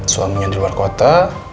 suaminya di luar kota